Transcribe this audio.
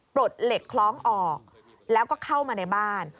ลดเหล็กคล้องออกแล้วก็เข้ามาในบ้าน